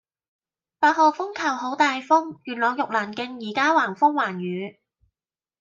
八號風球好大風，元朗玉蘭徑依家橫風橫雨